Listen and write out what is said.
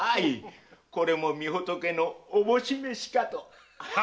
これも御仏の思し召しかと。